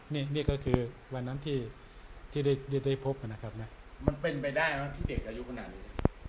นี่ก็คือวันนั้นที่ได้พบนะครับนะมันเป็นไปได้ไหมที่เด็กอายุขนาดนี้